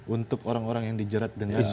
untuk orang orang yang dijerat dengan